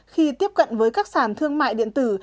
khi tiếp cận với các sản thương mại điện tử